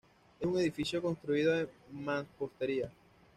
Es un edificio construido de mampostería.